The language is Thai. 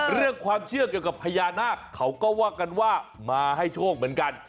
เรื่องความเชื่อเกี่ยวกับพญานาคเขาก็ว่ากันว่ามาให้โชคเหมือนกัน